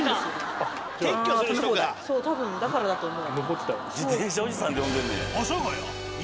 そう多分だからだと思う。